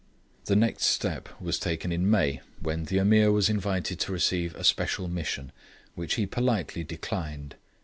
The next step was taken in May, when the Ameer was invited to receive a special Mission, which he politely declined.